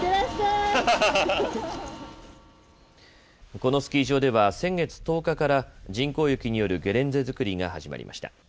このスキー場では先月１０日から人工雪によるゲレンデ造りが始まりました。